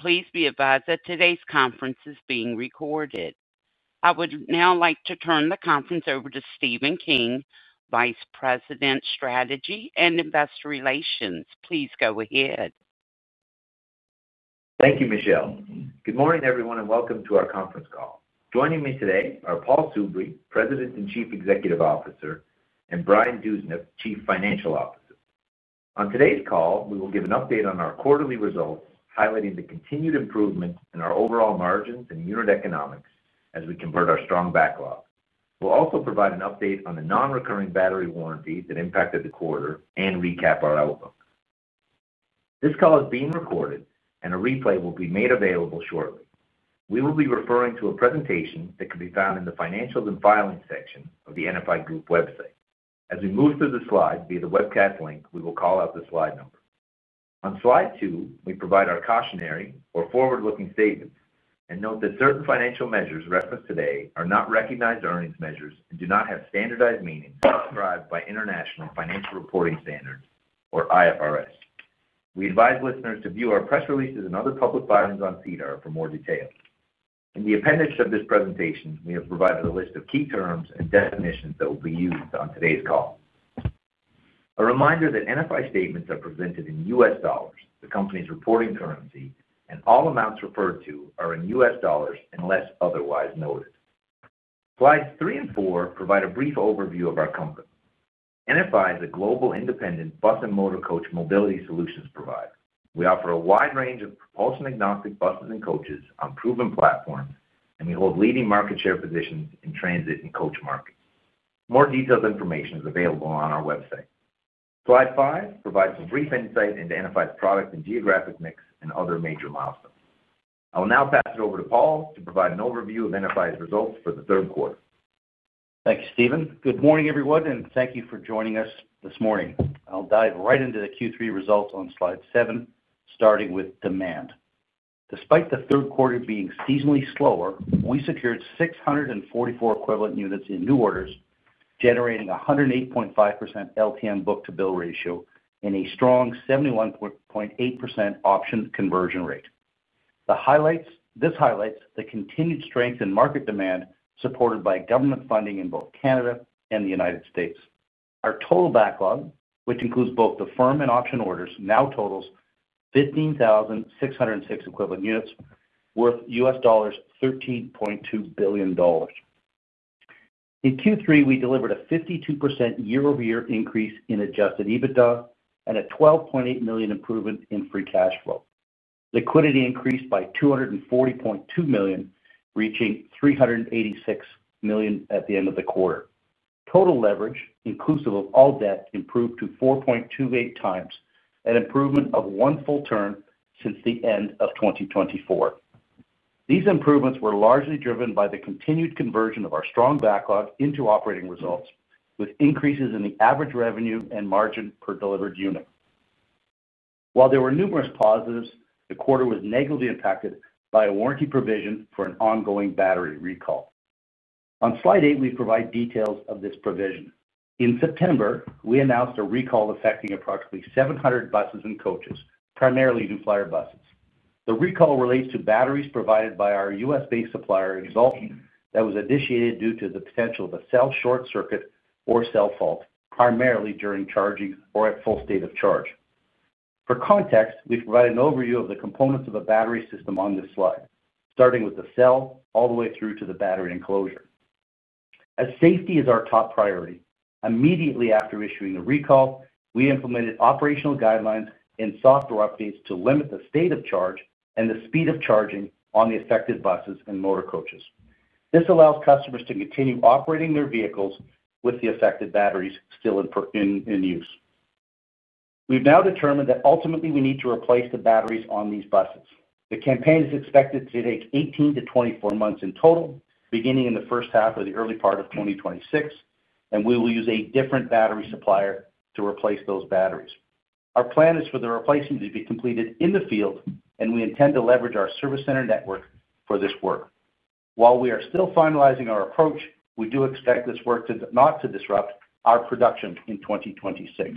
Please be advised that today's conference is being recorded. I would now like to turn the conference over to Stephen King, Vice President, Strategy and Investor Relations. Please go ahead. Thank you, Michelle. Good morning, everyone, and welcome to our conference call. Joining me today are Paul Soubry, President and Chief Executive Officer, and Brian Dewsnup, Chief Financial Officer. On today's call, we will give an update on our quarterly results, highlighting the continued improvement in our overall margins and unit economics as we convert our strong backlog. We'll also provide an update on the non-recurring battery warranties that impacted the quarter and recap our outlook. This call is being recorded, and a replay will be made available shortly. We will be referring to a presentation that can be found in the Financials and Filings section of the NFI Group website. As we move through the slides via the webcast link, we will call out the slide number. On slide two, we provide our cautionary or forward-looking statements and note that certain financial measures referenced today are not recognized earnings measures and do not have standardized meanings described by International Financial Reporting Standards, or IFRS. We advise listeners to view our press releases and other public filings on SEDAR for more detail. In the appendix of this presentation, we have provided a list of key terms and definitions that will be used on today's call. A reminder that NFI statements are presented in US dollars, the company's reporting currency, and all amounts referred to are in US dollars unless otherwise noted. Slides three and four provide a brief overview of our company. NFI is a global independent bus and motor coach mobility solutions provider. We offer a wide range of propulsion-agnostic buses and coaches on proven platforms, and we hold leading market share positions in transit and coach markets. More detailed information is available on our website. Slide five provides a brief insight into NFI's product and geographic mix and other major milestones. I will now pass it over to Paul to provide an overview of NFI's results for the third quarter. Thank you, Stephen. Good morning, everyone, and thank you for joining us this morning. I'll dive right into the Q3 results on slide seven, starting with demand. Despite the third quarter being seasonally slower, we secured 644 equivalent units in new orders, generating a 108.5% LTM book-to-bill ratio and a strong 71.8% option conversion rate. This highlights the continued strength in market demand supported by government funding in both Canada and the United States. Our total backlog, which includes both the firm and option orders, now totals 15,606 equivalent units, worth $13.2 billion. In Q3, we delivered a 52% year-over-year increase in adjusted EBITDA and a $12.8 million improvement in free cash flow. Liquidity increased by $240.2 million, reaching $386 million at the end of the quarter. Total leverage, inclusive of all debt, improved to 4.28 times, an improvement of one full turn since the end of 2024. These improvements were largely driven by the continued conversion of our strong backlog into operating results, with increases in the average revenue and margin per delivered unit. While there were numerous positives, the quarter was negatively impacted by a warranty provision for an ongoing battery recall. On slide eight, we provide details of this provision. In September, we announced a recall affecting approximately 700 buses and coaches, primarily New Flyer buses. The recall relates to batteries provided by our US-based supplier EXALT E that was initiated due to the potential of a cell short circuit or cell fault, primarily during charging or at full state of charge. For context, we provide an overview of the components of a battery system on this slide, starting with the cell all the way through to the battery enclosure. As safety is our top priority, immediately after issuing the recall, we implemented operational guidelines and software updates to limit the state of charge and the speed of charging on the affected buses and motor coaches. This allows customers to continue operating their vehicles with the affected batteries still in use. We've now determined that ultimately we need to replace the batteries on these buses. The campaign is expected to take 18-24 months in total, beginning in the first half of the early part of 2026, and we will use a different battery supplier to replace those batteries. Our plan is for the replacement to be completed in the field, and we intend to leverage our service center network for this work. While we are still finalizing our approach, we do expect this work not to disrupt our production in 2026.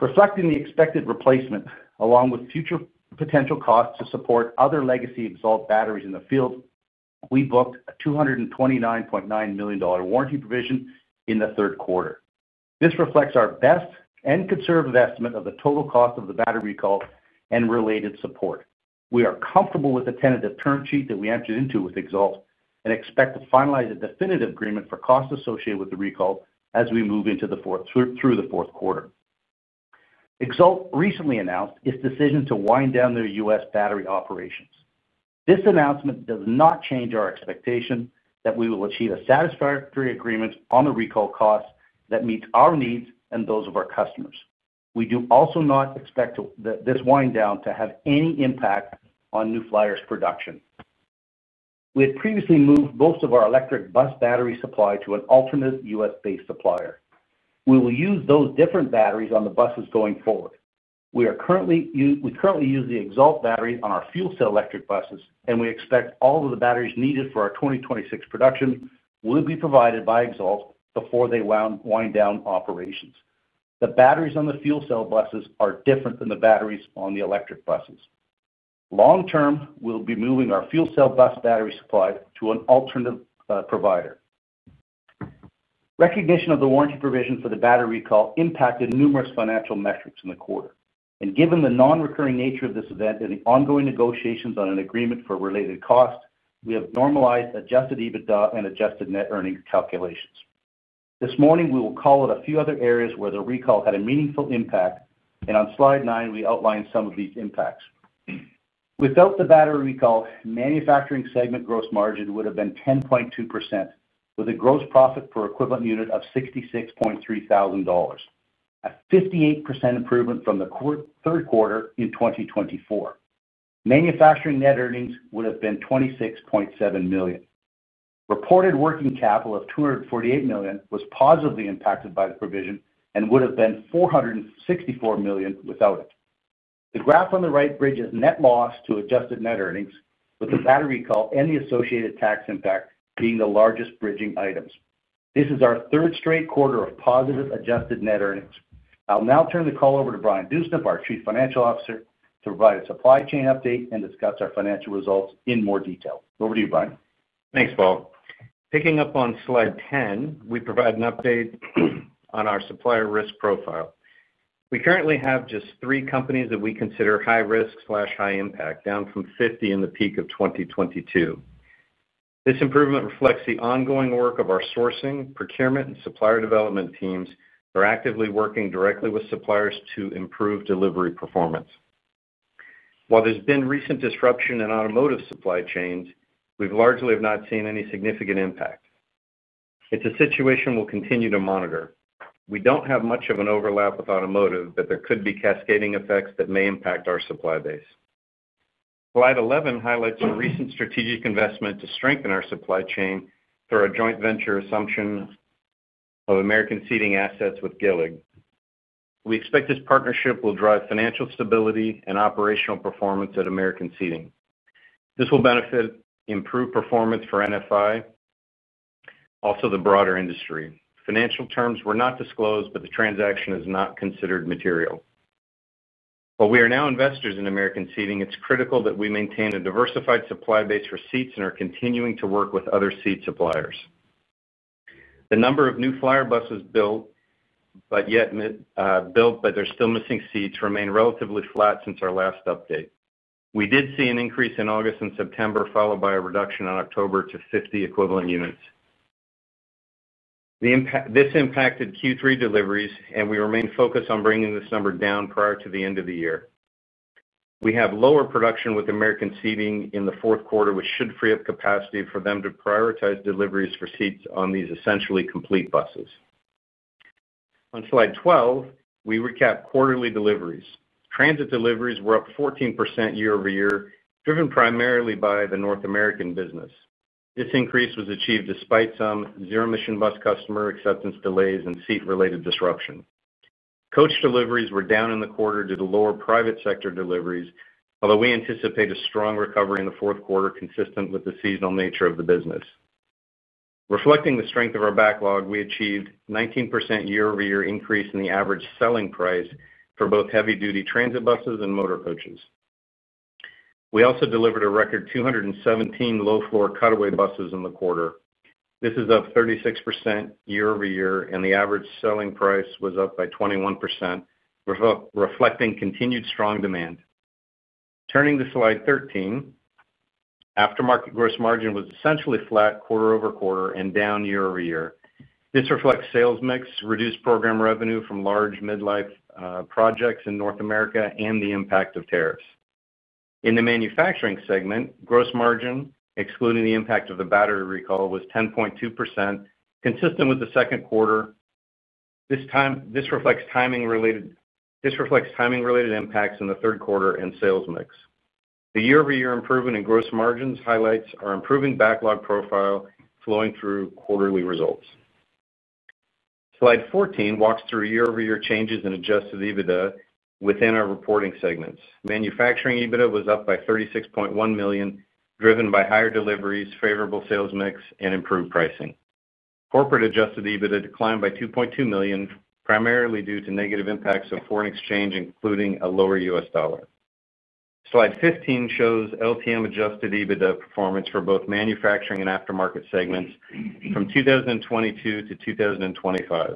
Reflecting the expected replacement, along with future potential costs to support other legacy EXALT batteries in the field, we booked a $229.9 million warranty provision in the third quarter. This reflects our best and conservative estimate of the total cost of the battery recall and related support. We are comfortable with the tentative term sheet that we entered into with EXALT and expect to finalize a definitive agreement for costs associated with the recall as we move through the fourth quarter. EXALT recently announced its decision to wind down their US battery operations. This announcement does not change our expectation that we will achieve a satisfactory agreement on the recall costs that meets our needs and those of our customers. We do also not expect that this wind down to have any impact on New Flyer's production. We had previously moved most of our electric bus battery supply to an alternate US-based supplier. We will use those different batteries on the buses going forward. We currently use the EXALT battery on our fuel cell electric buses, and we expect all of the batteries needed for our 2026 production will be provided by EXALT before they wind down operations. The batteries on the fuel cell buses are different than the batteries on the electric buses. Long term, we'll be moving our fuel cell bus battery supply to an alternative provider. Recognition of the warranty provision for the battery recall impacted numerous financial metrics in the quarter. Given the non-recurring nature of this event and the ongoing negotiations on an agreement for related costs, we have normalized adjusted EBITDA and adjusted net earnings calculations. This morning, we will call out a few other areas where the recall had a meaningful impact, and on slide nine, we outline some of these impacts. Without the battery recall, manufacturing segment gross margin would have been 10.2%, with a gross profit per equivalent unit of $66,300, a 58% improvement from the third quarter in 2024. Manufacturing net earnings would have been $26.7 million. Reported working capital of $248 million was positively impacted by the provision and would have been $464 million without it. The graph on the right bridges net loss to adjusted net earnings, with the battery recall and the associated tax impact being the largest bridging items. This is our third straight quarter of positive adjusted net earnings. I'll now turn the call over to Brian Dewsnup, our Chief Financial Officer, to provide a supply chain update and discuss our financial results in more detail. Over to you, Brian. Thanks, Paul. Picking up on slide 10, we provide an update on our supplier risk profile. We currently have just three companies that we consider high risk/high impact, down from 50 in the peak of 2022. This improvement reflects the ongoing work of our sourcing, procurement, and supplier development teams that are actively working directly with suppliers to improve delivery performance. While there's been recent disruption in automotive supply chains, we largely have not seen any significant impact. It's a situation we'll continue to monitor. We don't have much of an overlap with automotive, but there could be cascading effects that may impact our supply base. Slide 11 highlights a recent strategic investment to strengthen our supply chain through our joint venture assumption of American Seating assets GILLIG. We expect this partnership will drive financial stability and operational performance at American Seating. This will benefit improved performance for NFI, also the broader industry. Financial terms were not disclosed, but the transaction is not considered material. While we are now investors in American Seating, it's critical that we maintain a diversified supply base for seats and are continuing to work with other seat suppliers. The number of New Flyer buses built, but yet built, but they're still missing seats, remains relatively flat since our last update. We did see an increase in August and September, followed by a reduction in October to 50 equivalent units. This impacted Q3 deliveries, and we remain focused on bringing this number down prior to the end of the year. We have lower production with American Seating in the fourth quarter, which should free up capacity for them to prioritize deliveries for seats on these essentially complete buses. On slide 12, we recap quarterly deliveries. Transit deliveries were up 14% year-over-year, driven primarily by the North American business. This increase was achieved despite some zero-emission bus customer acceptance delays and seat-related disruption. Coach deliveries were down in the quarter due to lower private sector deliveries, although we anticipate a strong recovery in the fourth quarter consistent with the seasonal nature of the business. Reflecting the strength of our backlog, we achieved a 19% year-over-year increase in the average selling price for both heavy-duty transit buses and motor coaches. We also delivered a record 217 low-floor cutaway buses in the quarter. This is up 36% year-over-year, and the average selling price was up by 21%, reflecting continued strong demand. Turning to slide 13, aftermarket gross margin was essentially flat quarter over quarter and down year-over-year. This reflects sales mix, reduced program revenue from large midlife projects in North America, and the impact of tariffs. In the manufacturing segment, gross margin, excluding the impact of the battery recall, was 10.2%, consistent with the second quarter. This reflects timing-related impacts in the third quarter and sales mix. The year-over-year improvement in gross margins highlights our improving backlog profile flowing through quarterly results. Slide 14 walks through year-over-year changes in adjusted EBITDA within our reporting segments. Manufacturing EBITDA was up by $36.1 million, driven by higher deliveries, favorable sales mix, and improved pricing. Corporate adjusted EBITDA declined by $2.2 million, primarily due to negative impacts of foreign exchange, including a lower US dollar. Slide 15 shows LTM adjusted EBITDA performance for both manufacturing and aftermarket segments from 2022 to 2025.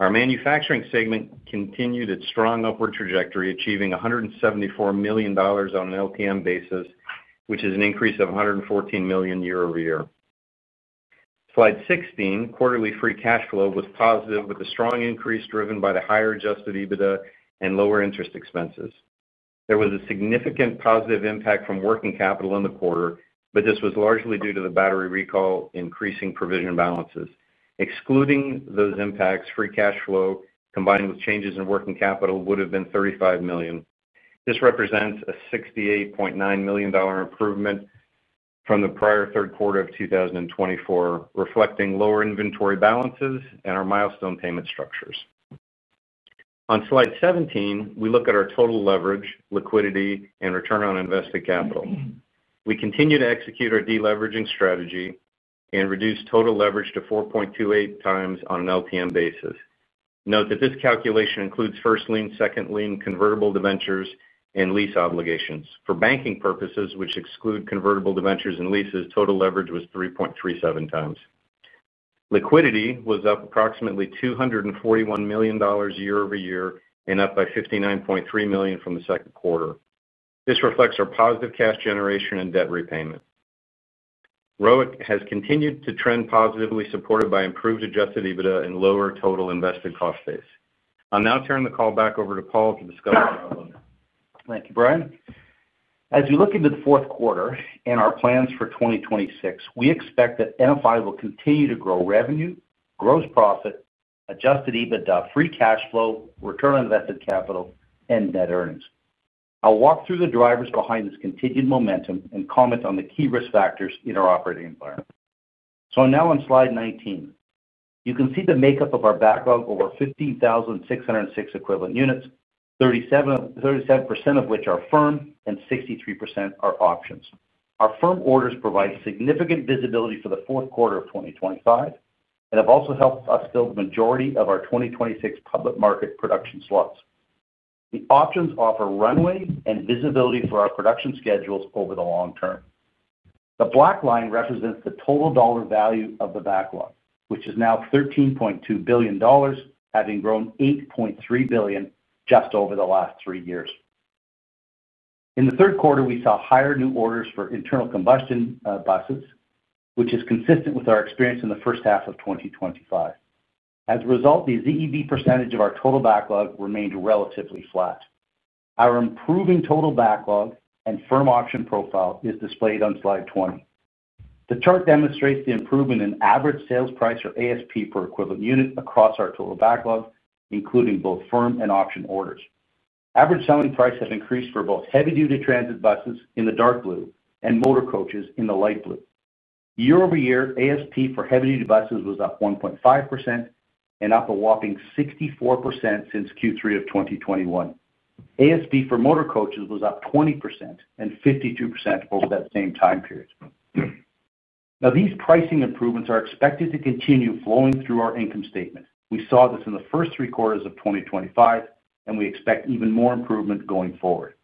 Our manufacturing segment continued its strong upward trajectory, achieving $174 million on an LTM basis, which is an increase of $114 million year-over-year. Slide 16, quarterly free cash flow was positive, with a strong increase driven by the higher adjusted EBITDA and lower interest expenses. There was a significant positive impact from working capital in the quarter, but this was largely due to the battery recall increasing provision balances. Excluding those impacts, free cash flow combined with changes in working capital would have been $35 million. This represents a $68.9 million improvement from the prior third quarter of 2024, reflecting lower inventory balances and our milestone payment structures. On slide 17, we look at our total leverage, liquidity, and return on invested capital. We continue to execute our deleveraging strategy and reduce total leverage to 4.28 times on an LTM basis. Note that this calculation includes first lien, second lien, convertible debentures, and lease obligations. For banking purposes, which exclude convertible debentures and leases, total leverage was 3.37 times. Liquidity was up approximately $241 million year-over-year and up by $59.3 million from the second quarter. This reflects our positive cash generation and debt repayment. ROIC has continued to trend positively, supported by improved adjusted EBITDA and lower total invested cost base. I'll now turn the call back over to Paul to discuss our outlook. Thank you, Brian. As we look into the fourth quarter and our plans for 2026, we expect that NFI will continue to grow revenue, gross profit, adjusted EBITDA, free cash flow, return on invested capital, and net earnings. I'll walk through the drivers behind this continued momentum and comment on the key risk factors in our operating environment. Now on slide 19, you can see the makeup of our backlog: over 15,606 equivalent units, 37% of which are firm and 63% are options. Our firm orders provide significant visibility for the fourth quarter of 2025 and have also helped us fill the majority of our 2026 public market production slots. The options offer runway and visibility for our production schedules over the long term. The black line represents the total dollar value of the backlog, which is now $13.2 billion, having grown $8.3 billion just over the last three years. In the third quarter, we saw higher new orders for internal combustion buses, which is consistent with our experience in the first half of 2025. As a result, the ZEB percentage of our total backlog remained relatively flat. Our improving total backlog and firm option profile is displayed on slide 20. The chart demonstrates the improvement in average sales price, or ASP per equivalent unit, across our total backlog, including both firm and option orders. Average selling price has increased for both heavy-duty transit buses in the dark blue and motor coaches in the light blue. Year-over-year, ASP for heavy-duty buses was up 1.5% and up a whopping 64% since Q3 of 2021. ASP for motor coaches was up 20% and 52% over that same time period. Now, these pricing improvements are expected to continue flowing through our income statement. We saw this in the first three quarters of 2025, and we expect even more improvement going forward.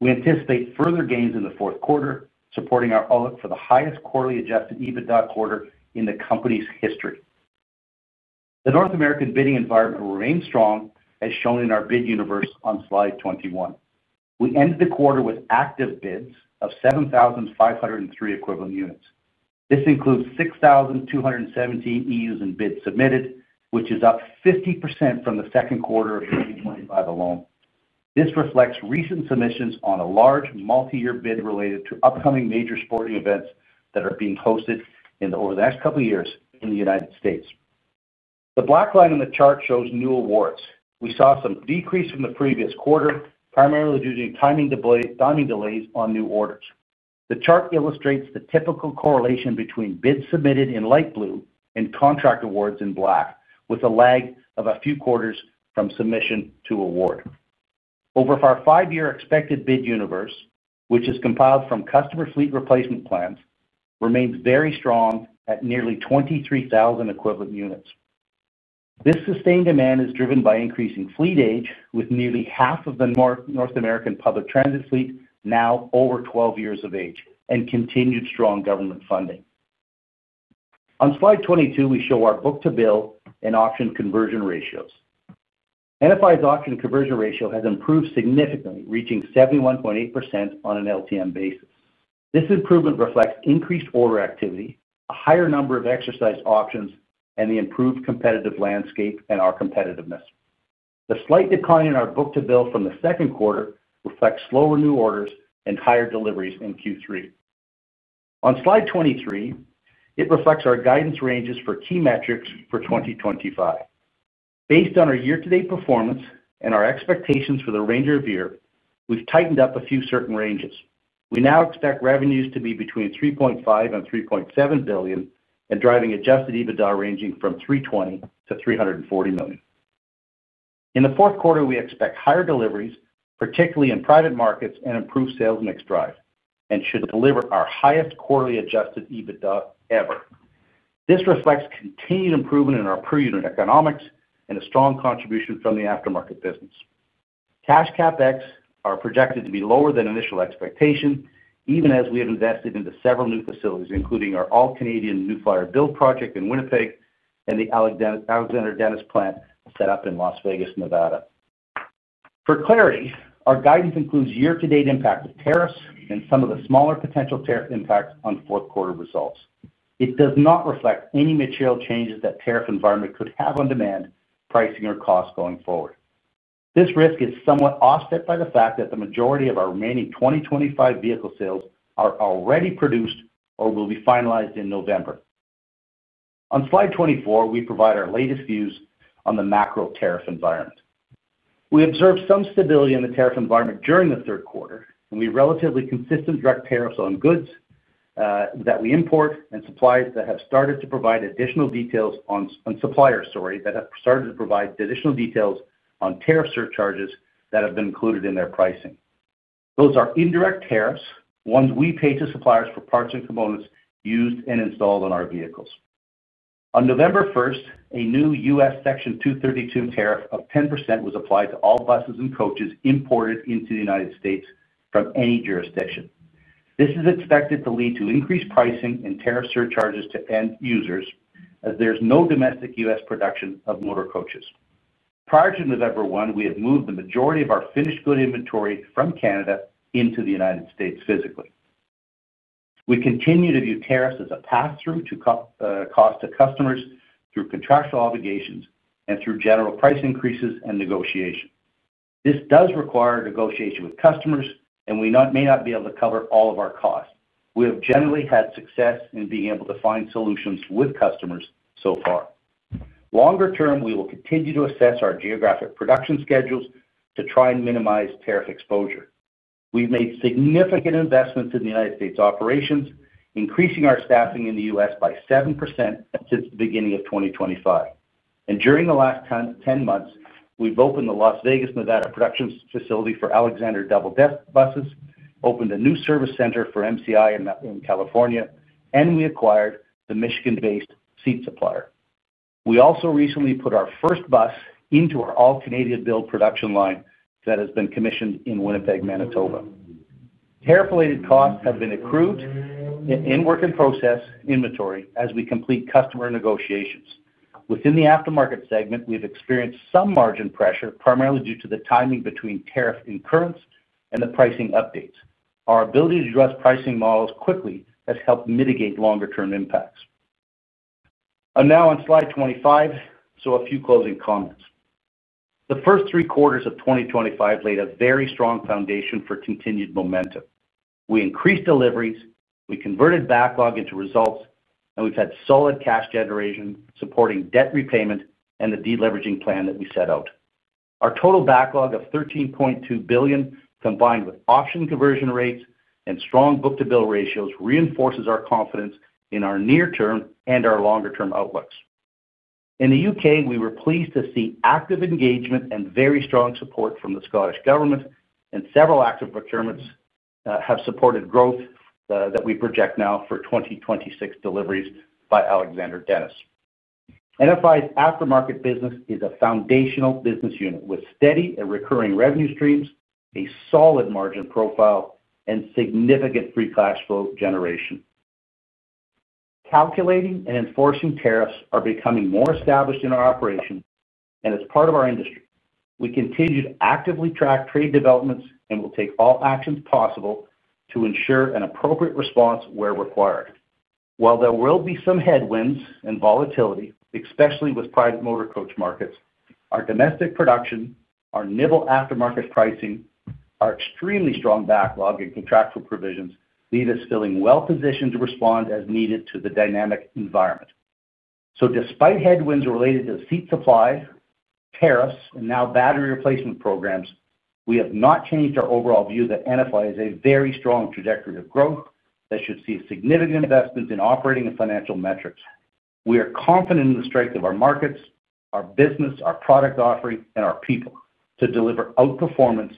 We anticipate further gains in the fourth quarter, supporting our OIC for the highest quarterly adjusted EBITDA quarter in the company's history. The North American bidding environment remains strong, as shown in our bid universe on slide 21. We ended the quarter with active bids of 7,503 equivalent units. This includes 6,217 EUs in bids submitted, which is up 50% from the second quarter of 2025 alone. This reflects recent submissions on a large multi-year bid related to upcoming major sporting events that are being hosted over the next couple of years in the United States. The black line on the chart shows new awards. We saw some decrease from the previous quarter, primarily due to timing delays on new orders. The chart illustrates the typical correlation between bids submitted in light blue and contract awards in black, with a lag of a few quarters from submission to award. Over our five-year expected bid universe, which is compiled from customer fleet replacement plans, remains very strong at nearly 23,000 equivalent units. This sustained demand is driven by increasing fleet age, with nearly half of the North American public transit fleet now over 12 years of age and continued strong government funding. On slide 22, we show our book-to-bill and option conversion ratios. NFI's option conversion ratio has improved significantly, reaching 71.8% on an LTM basis. This improvement reflects increased order activity, a higher number of exercised options, and the improved competitive landscape and our competitiveness. The slight decline in our book-to-bill from the second quarter reflects slower new orders and higher deliveries in Q3. On slide 23, it reflects our guidance ranges for key metrics for 2025. Based on our year-to-date performance and our expectations for the remainder of the year, we've tightened up a few certain ranges. We now expect revenues to be between $3.5 billion and $3.7 billion and driving adjusted EBITDA ranging from $320 million-$340 million. In the fourth quarter, we expect higher deliveries, particularly in private markets and improved sales mix drive, and should deliver our highest quarterly adjusted EBITDA ever. This reflects continued improvement in our per-unit economics and a strong contribution from the aftermarket business. Cash CapEx are projected to be lower than initial expectation, even as we have invested into several new facilities, including our All Canadian New Flyer Build Project in Winnipeg and the Alexander Dennis plant set up in Las Vegas, Nevada. For clarity, our guidance includes year-to-date impact of tariffs and some of the smaller potential tariff impacts on fourth quarter results. It does not reflect any material changes that tariff environment could have on demand, pricing, or costs going forward. This risk is somewhat offset by the fact that the majority of our remaining 2025 vehicle sales are already produced or will be finalized in November. On slide 24, we provide our latest views on the macro tariff environment. We observed some stability in the tariff environment during the third quarter, and we saw relatively consistent direct tariffs on goods that we import and suppliers that have started to provide additional details on tariff surcharges that have been included in their pricing. Those are indirect tariffs, ones we pay to suppliers for parts and components used and installed on our vehicles. On November 1, a new U.S. Section 232 tariff of 10% was applied to all buses and coaches imported into the United States from any jurisdiction. This is expected to lead to increased pricing and tariff surcharges to end users, as there's no domestic U.S. production of motor coaches. Prior to November 1, we had moved the majority of our finished good inventory from Canada into the United States physically. We continue to view tariffs as a pass-through to cost to customers through contractual obligations and through general price increases and negotiation. This does require negotiation with customers, and we may not be able to cover all of our costs. We have generally had success in being able to find solutions with customers so far. Longer term, we will continue to assess our geographic production schedules to try and minimize tariff exposure. We have made significant investments in the United States operations, increasing our staffing in the U.S. by 7% since the beginning of 2025. During the last 10 months, we have opened the Las Vegas, Nevada production facility for Alexander Dennis double-deck buses, opened a new service center for MCI in California, and we acquired the Michigan-based seat supplier. We also recently put our first bus into our All Canadian Build production line that has been commissioned in Winnipeg, Manitoba. Tariff-related costs have been accrued in work in process inventory as we complete customer negotiations. Within the aftermarket segment, we've experienced some margin pressure, primarily due to the timing between tariff incurrence and the pricing updates. Our ability to address pricing models quickly has helped mitigate longer-term impacts. Now on slide 25, a few closing comments. The first three quarters of 2025 laid a very strong foundation for continued momentum. We increased deliveries, we converted backlog into results, and we've had solid cash generation supporting debt repayment and the deleveraging plan that we set out. Our total backlog of $13.2 billion, combined with option conversion rates and strong book-to-bill ratios, reinforces our confidence in our near-term and our longer-term outlooks. In the U.K., we were pleased to see active engagement and very strong support from the Scottish government, and several active procurements have supported growth that we project now for 2026 deliveries by Alexander Dennis. NFI's aftermarket business is a foundational business unit with steady and recurring revenue streams, a solid margin profile, and significant free cash flow generation. Calculating and enforcing tariffs are becoming more established in our operation, and as part of our industry, we continue to actively track trade developments and will take all actions possible to ensure an appropriate response where required. While there will be some headwinds and volatility, especially with private motor coach markets, our domestic production, our nimble aftermarket pricing, our extremely strong backlog, and contractual provisions leave us feeling well-positioned to respond as needed to the dynamic environment. Despite headwinds related to seat supply, tariffs, and now battery replacement programs, we have not changed our overall view that NFI is on a very strong trajectory of growth that should see significant investments in operating and financial metrics. We are confident in the strength of our markets, our business, our product offering, and our people to deliver outperformance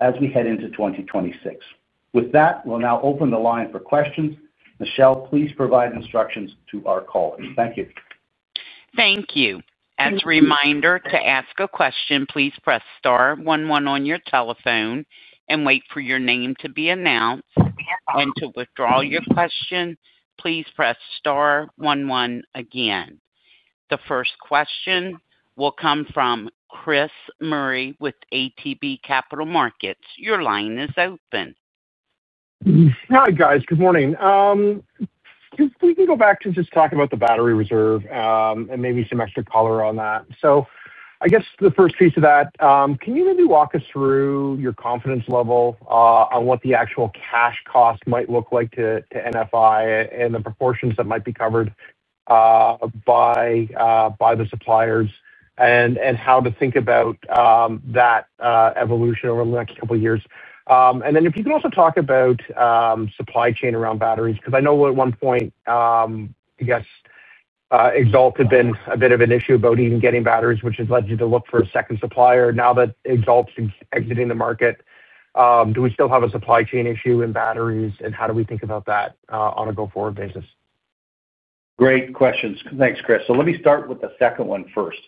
as we head into 2026. With that, we will now open the line for questions. Michelle, please provide instructions to our callers. Thank you. Thank you. As a reminder, to ask a question, please press star one one on your telephone and wait for your name to be announced. To withdraw your question, please press star one one again. The first question will come from Chris Murray with ATB Capital Markets. Your line is open. Hi guys, good morning. If we can go back to just talking about the battery reserve and maybe some extra color on that. I guess the first piece of that, can you maybe walk us through your confidence level on what the actual cash cost might look like to NFI and the proportions that might be covered by the suppliers and how to think about that evolution over the next couple of years? If you can also talk about supply chain around batteries, because I know at one point, I guess, EXALT had been a bit of an issue about even getting batteries, which has led you to look for a second supplier. Now that EXALT's exiting the market, do we still have a supply chain issue in batteries, and how do we think about that on a go-forward basis? Great questions. Thanks, Chris. Let me start with the second one first.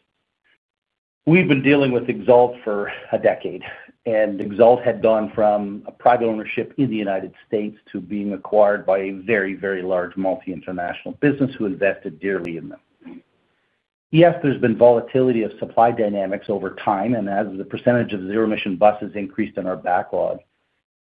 We've been dealing with EXALT for a decade, and EXALT had gone from a private ownership in the United States to being acquired by a very, very large multi-international business who invested dearly in them. Yes, there's been volatility of supply dynamics over time, and as the percentage of zero-emission buses increased in our backlog,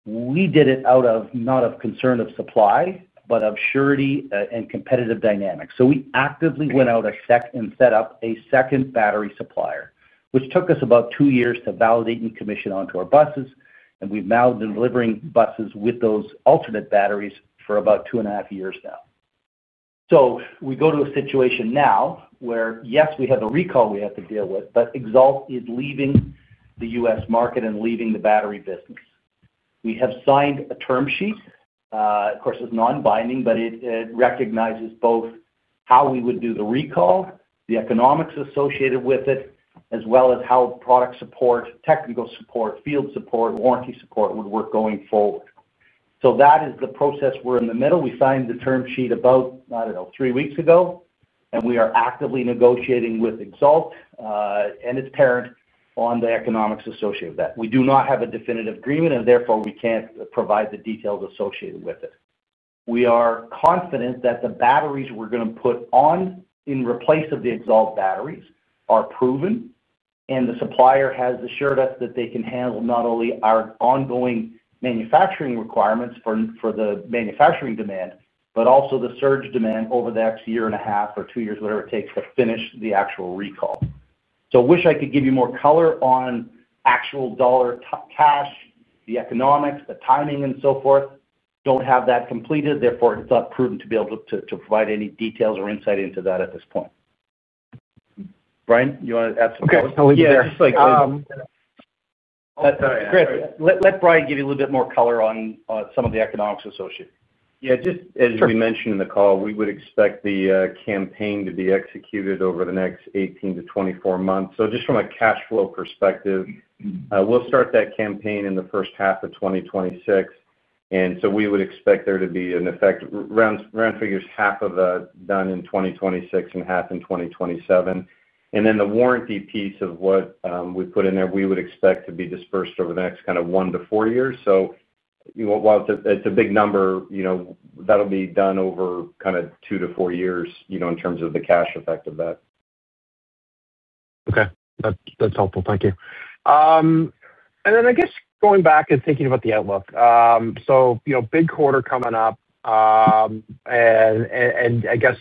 we did it out of not of concern of supply, but of surety and competitive dynamics. We actively went out and set up a second battery supplier, which took us about two years to validate and commission onto our buses, and we've now been delivering buses with those alternate batteries for about two and a half years now. We go to a situation now where, yes, we have a recall we have to deal with, but EXALT is leaving the U.S. market and leaving the battery business. We have signed a term sheet. Of course, it's non-binding, but it recognizes both how we would do the recall, the economics associated with it, as well as how product support, technical support, field support, warranty support would work going forward. That is the process we're in the middle of. We signed the term sheet about, I don't know, three weeks ago, and we are actively negotiating with EXALT and its parent on the economics associated with that. We do not have a definitive agreement, and therefore we can't provide the details associated with it. We are confident that the batteries we're going to put on in replace of the EXALT batteries are proven, and the supplier has assured us that they can handle not only our ongoing manufacturing requirements for the manufacturing demand, but also the surge demand over the next year and a half or two years, whatever it takes to finish the actual recall. I wish I could give you more color on actual dollar cash, the economics, the timing, and so forth. Don't have that completed. Therefore, it's not prudent to be able to provide any details or insight into that at this point. Brian, you want to add something? Okay. Yeah, Just like Chris, let Brian give you a little bit more color on some of the economics associated. Yeah, just as we mentioned in the call, we would expect the campaign to be executed over the next 18 to 24 months. Just from a cash flow perspective, we'll start that campaign in the first half of 2026. We would expect there to be, in round figures, half of that done in 2026 and half in 2027. The warranty piece of what we put in there, we would expect to be dispersed over the next kind of one to four years. While it's a big number, that'll be done over kind of two to four years in terms of the cash effect of that. Okay. That's helpful. Thank you. I guess going back and thinking about the outlook, big quarter coming up, and I guess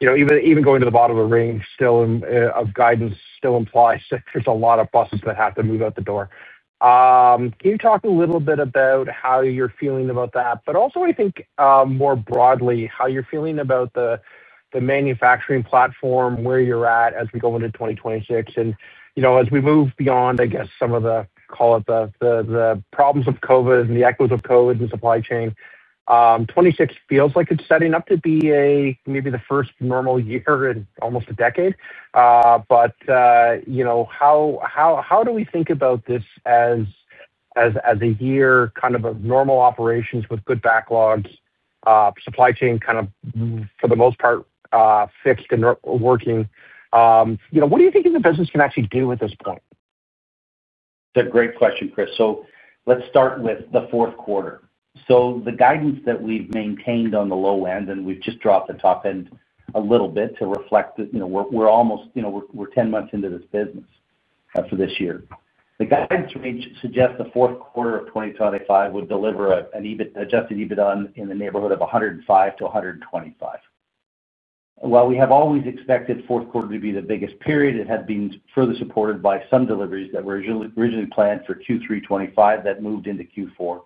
even going to the bottom of the range still of guidance still implies there's a lot of buses that have to move out the door. Can you talk a little bit about how you're feeling about that? Also, I think more broadly, how you're feeling about the manufacturing platform where you're at as we go into 2026. As we move beyond, I guess, some of the, call it the problems of COVID and the echoes of COVID and supply chain, '26 feels like it's setting up to be maybe the first normal year in almost a decade. How do we think about this as a year kind of of normal operations with good backlogs, supply chain kind of for the most part fixed and working? What do you think the business can actually do at this point? It's a great question, Chris. Let's start with the fourth quarter. The guidance that we've maintained on the low end, and we've just dropped the top end a little bit to reflect that we're almost 10 months into this business for this year. The guidance range suggests the fourth quarter of 2025 would deliver an adjusted EBITDA in the neighborhood of $105 million-$125 million. While we have always expected fourth quarter to be the biggest period, it had been further supported by some deliveries that were originally planned for Q3 '25 that moved into Q4.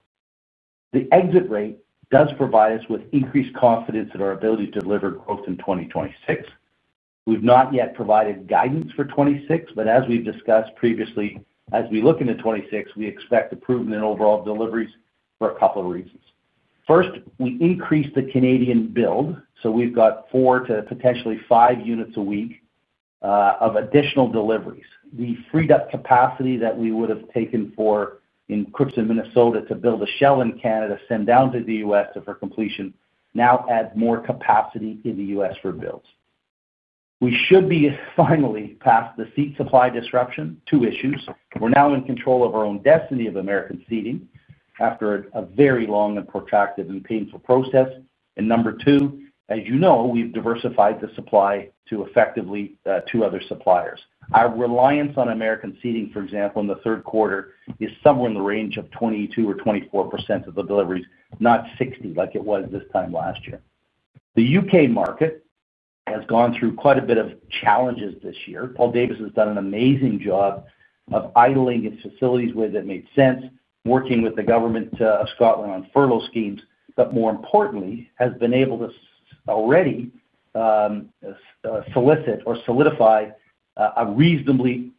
The exit rate does provide us with increased confidence in our ability to deliver growth in 2026. We've not yet provided guidance for '26, but as we've discussed previously, as we look into 2026, we expect improvement in overall deliveries for a couple of reasons. First, we increased the Canadian build. We have four to potentially five units a week of additional deliveries. We freed up capacity that we would have taken for in Crimson, Minnesota, to build a shell in Canada, send down to the U.S. for completion, now add more capacity in the U.S. for builds. We should be finally past the seat supply disruption, two issues. We are now in control of our own destiny of American Seating after a very long and protracted and painful process. Number two, as you know, we have diversified the supply to effectively to other suppliers. Our reliance on American Seating, for example, in the third quarter is somewhere in the range of 22% or 24% of the deliveries, not 60% like it was this time last year. The U.K. market has gone through quite a bit of challenges this year. Paul Davis has done an amazing job of idling its facilities where that made sense, working with the government of Scotland on furlough schemes, but more importantly, has been able to already solicit or solidify a reasonably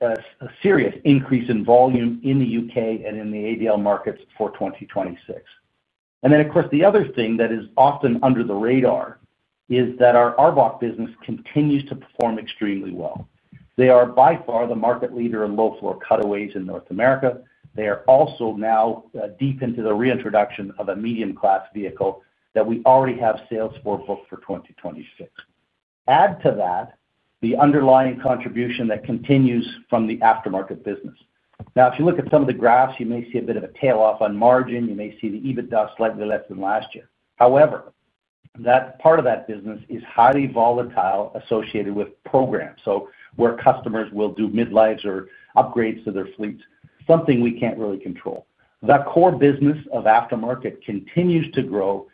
serious increase in volume in the U.K. and in the ADL markets for 2026. The other thing that is often under the radar is that our ARBOC business continues to perform extremely well. They are by far the market leader in low-floor cutaways in North America. They are also now deep into the reintroduction of a medium-class vehicle that we already have sales for booked for 2026. Add to that the underlying contribution that continues from the aftermarket business. Now, if you look at some of the graphs, you may see a bit of a tail off on margin. You may see the EBITDA slightly less than last year. However, that part of that business is highly volatile associated with programs. Where customers will do mid-lifes or upgrades to their fleets, something we can't really control. That core business of aftermarket continues to grow.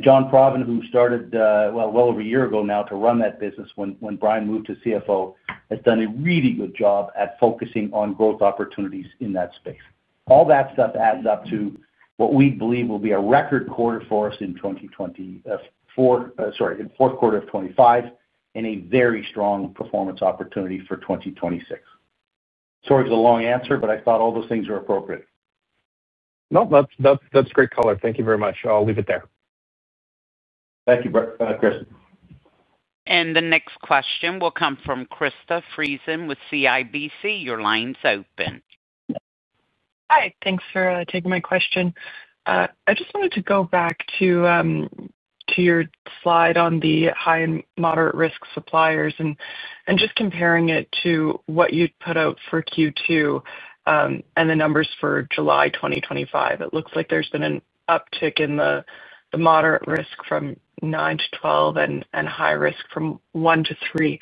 John Proven, who started well over a year ago now to run that business when Brian moved to CFO, has done a really good job at focusing on growth opportunities in that space. All that stuff adds up to what we believe will be a record quarter for us in 2024, sorry, in fourth quarter of '25, and a very strong performance opportunity for 2026. Sorry for the long answer, but I thought all those things were appropriate. No, that's great color. Thank you very much. I'll leave it there. Thank you, Chris. The next question will come from Krista Friesen with CIBC. Your line's open. Hi. Thanks for taking my question. I just wanted to go back to your slide on the high and moderate risk suppliers and just comparing it to what you'd put out for Q2 and the numbers for July 2025. It looks like there's been an uptick in the moderate risk from 9 to 12 and high risk from 1 to 3.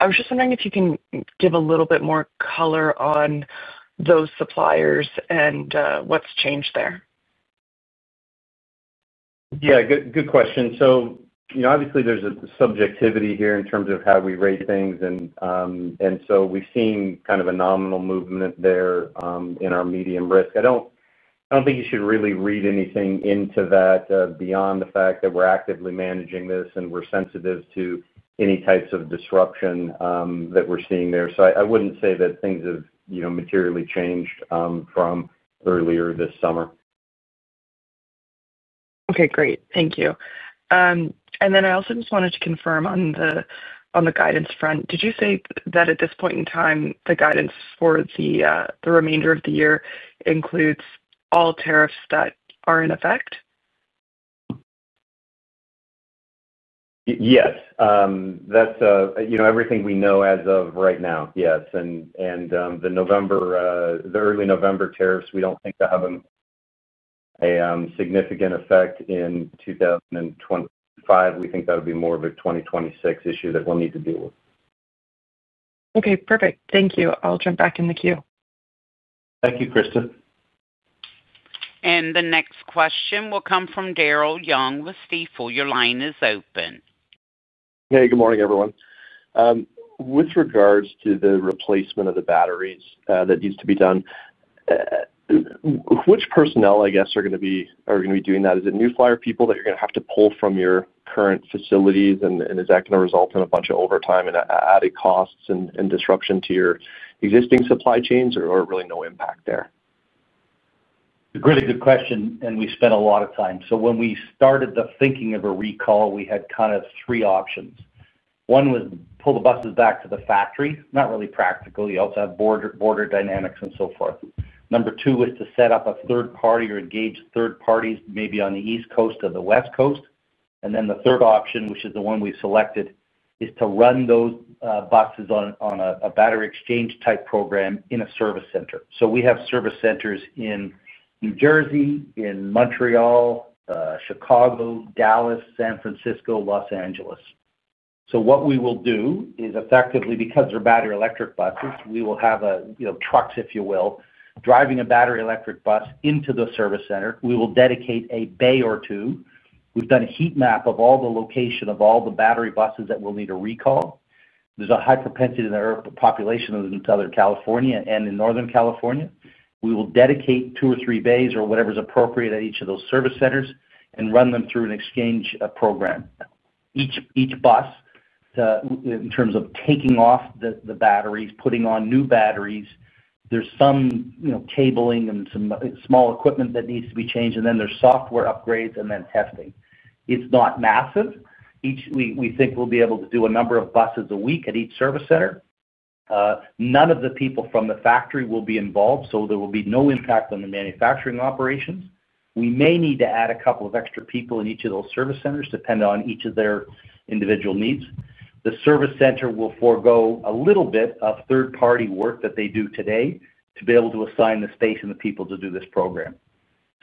I was just wondering if you can give a little bit more color on those suppliers and what's changed there. Yeah, good question. Obviously, there's a subjectivity here in terms of how we rate things. We've seen kind of a nominal movement there in our medium risk. I don't think you should really read anything into that beyond the fact that we're actively managing this and we're sensitive to any types of disruption that we're seeing there. I wouldn't say that things have materially changed from earlier this summer. Okay, great. Thank you. I also just wanted to confirm on the guidance front. Did you say that at this point in time, the guidance for the remainder of the year includes all tariffs that are in effect? Yes. That's everything we know as of right now. Yes. The early November tariffs, we do not think they will have a significant effect in 2025. We think that will be more of a 2026 issue that we will need to deal with. Okay, perfect. Thank you. I'll jump back in the queue. Thank you, Krista. The next question will come from Daryl Young with Stifel. Your line is open. Hey, good morning, everyone. With regards to the replacement of the batteries that needs to be done, which personnel, I guess, are going to be doing that? Is it New Flyer people that you're going to have to pull from your current facilities, and is that going to result in a bunch of overtime and added costs and disruption to your existing supply chains, or really no impact there? It's a really good question, and we spent a lot of time. When we started the thinking of a recall, we had kind of three options. One was to pull the buses back to the factory, not really practical. You also have border dynamics and so forth. Number two was to set up a third party or engage third parties maybe on the east coast or the west coast. The third option, which is the one we selected, is to run those buses on a battery exchange type program in a service center. We have service centers in New Jersey, in Montreal, Chicago, Dallas, San Francisco, Los Angeles. What we will do is effectively, because they're battery electric buses, we will have trucks, if you will, driving a battery electric bus into the service center. We will dedicate a bay or two. We've done a heat map of all the locations of all the battery buses that will need a recall. There's a high propensity in the population of Southern California and in Northern California. We will dedicate two or three bays or whatever's appropriate at each of those service centers and run them through an exchange program. Each bus in terms of taking off the batteries, putting on new batteries, there's some cabling and some small equipment that needs to be changed, and then there's software upgrades and then testing. It's not massive. We think we'll be able to do a number of buses a week at each service center. None of the people from the factory will be involved, so there will be no impact on the manufacturing operations. We may need to add a couple of extra people in each of those service centers depending on each of their individual needs. The service center will forego a little bit of third-party work that they do today to be able to assign the space and the people to do this program.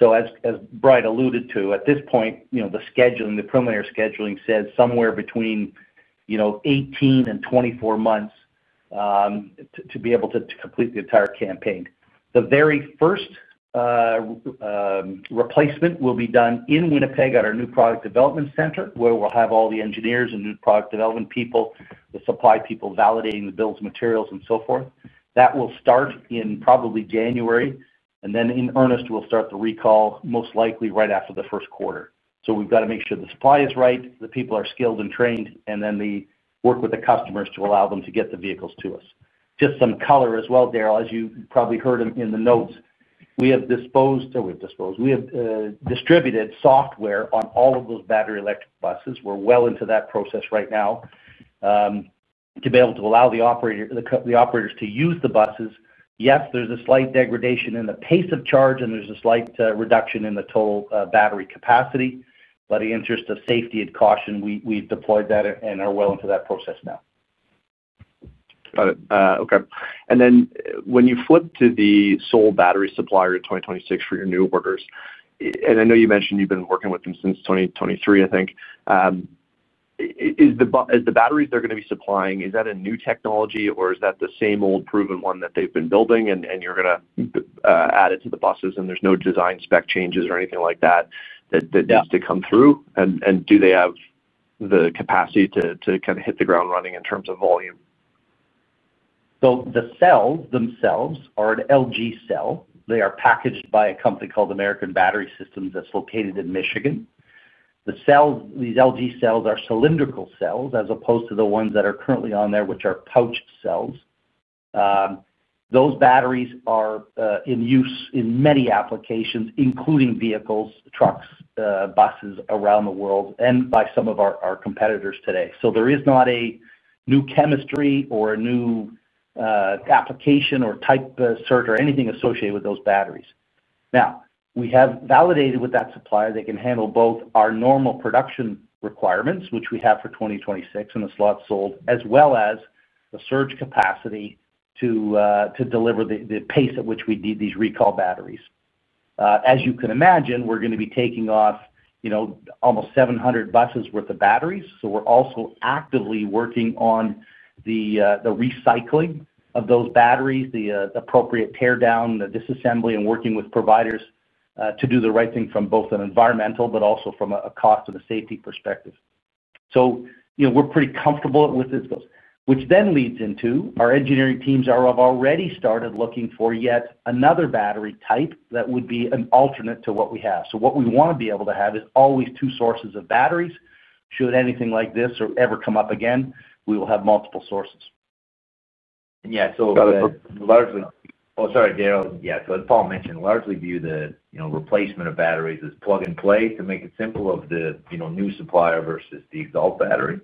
As Brian alluded to, at this point, the scheduling, the preliminary scheduling says somewhere between 18-24 months to be able to complete the entire campaign. The very first replacement will be done in Winnipeg at our new product development center, where we'll have all the engineers and new product development people, the supply people validating the builds, materials, and so forth. That will start in probably January. In earnest, we'll start the recall most likely right after the first quarter. We have got to make sure the supply is right, the people are skilled and trained, and then we work with the customers to allow them to get the vehicles to us. Just some color as well, Daryl, as you probably heard in the notes, we have disposed, or we have distributed software on all of those battery-electric buses. We are well into that process right now to be able to allow the operators to use the buses. Yes, there is a slight degradation in the pace of charge, and there is a slight reduction in the total battery capacity. In the interest of safety and caution, we have deployed that and are well into that process now. Got it. Okay. When you flip to the sole battery supplier in 2026 for your new orders, and I know you mentioned you've been working with them since 2023, I think, is the batteries they're going to be supplying, is that a new technology, or is that the same old proven one that they've been building and you're going to add it to the buses and there's no design spec changes or anything like that that needs to come through? Do they have the capacity to kind of hit the ground running in terms of volume? The cells themselves are an LG cell. They are packaged by a company called American Battery Systems that's located in Michigan. These LG cells are cylindrical cells as opposed to the ones that are currently on there, which are pouch cells. Those batteries are in use in many applications, including vehicles, trucks, buses around the world, and by some of our competitors today. There is not a new chemistry or a new application or type of search or anything associated with those batteries. We have validated with that supplier they can handle both our normal production requirements, which we have for 2026 and the slots sold, as well as the surge capacity to deliver the pace at which we need these recall batteries. As you can imagine, we're going to be taking off almost 700 buses' worth of batteries. We're also actively working on the recycling of those batteries, the appropriate tear down, the disassembly, and working with providers to do the right thing from both an environmental but also from a cost and a safety perspective. We're pretty comfortable with those, which then leads into our engineering teams have already started looking for yet another battery type that would be an alternate to what we have. What we want to be able to have is always two sources of batteries. Should anything like this ever come up again, we will have multiple sources. Yeah. Largely— Oh, sorry, Daryl. Yeah. As Paul mentioned, largely view the replacement of batteries as plug and play to make it simple of the new supplier versus the EXALT battery.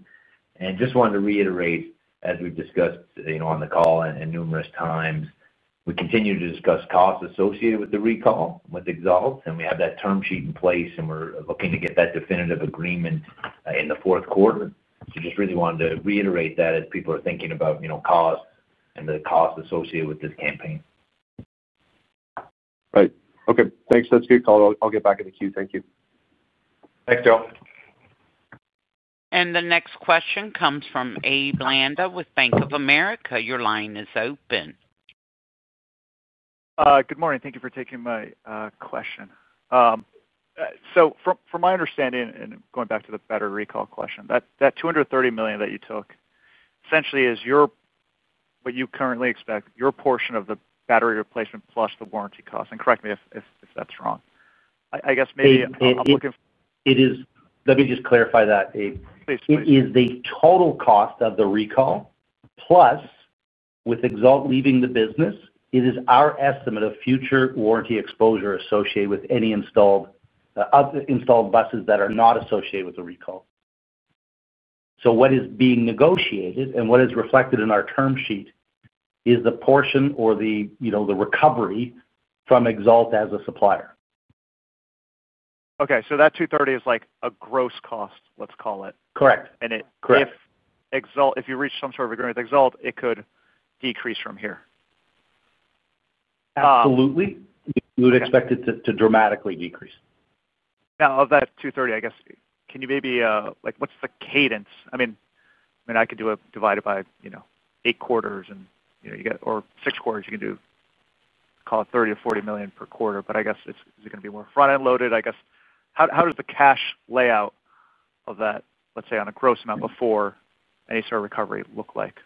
Just wanted to reiterate, as we've discussed on the call and numerous times, we continue to discuss costs associated with the recall with EXALT, and we have that term sheet in place, and we're looking to get that definitive agreement in the fourth quarter. Just really wanted to reiterate that as people are thinking about costs and the costs associated with this campaign. Right. Okay. Thanks. That's a good call. I'll get back in the queue. Thank you. Thanks, Darrell. The next question comes from Abe Landa with Bank of America. Your line is open. Good morning. Thank you for taking my question. From my understanding, and going back to the battery recall question, that $230 million that you took essentially is what you currently expect, your portion of the battery replacement plus the warranty cost. Correct me if that's wrong. I guess maybe I'm looking for. It is—let me just clarify that. It is the total cost of the recall plus with XALT leaving the business. It is our estimate of future warranty exposure associated with any installed buses that are not associated with the recall. What is being negotiated and what is reflected in our term sheet is the portion or the recovery from XALT as a supplier. Okay. So that $230 million is like a gross cost, let's call it. Correct. If you reach some sort of agreement with XALT, it could decrease from here. Absolutely. We would expect it to dramatically decrease. Now, of that $230 million, I guess, can you maybe—what's the cadence? I mean, I could do a divided by eight quarters or six quarters. You can do, call it, $30 million or $40 million per quarter. I guess, is it going to be more front-end loaded? I guess, how does the cash layout of that, let's say, on a gross amount before any sort of recovery look like